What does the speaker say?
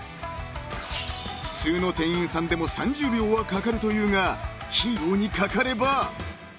［普通の店員さんでも３０秒はかかるというがヒーローにかかれば］